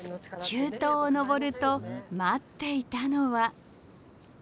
急登を登ると待っていたのは。